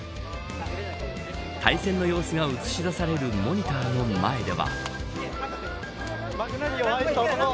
対戦の様子が映し出されるモニターの前では。